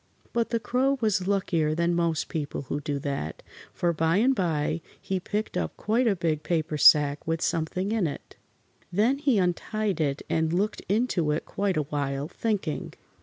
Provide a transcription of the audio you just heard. But the Crow was luckier than most people who do that, for by and by he picked up quite a big paper sack with something in it. Then he untied it and looked into it quite a while, thinking.